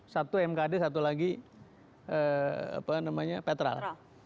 satu mkd satu lagi petrol